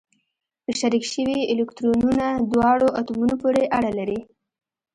په شریک شوي الکترونونه دواړو اتومونو پورې اړه لري.